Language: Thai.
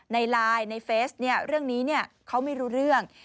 ในไลน์ในเฟซเรื่องนี้เขาไม่รู้เรื่อง